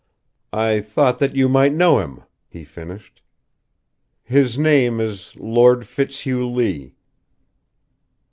"I thought that you might know him," he finished. "His name is Lord Fitzhugh Lee."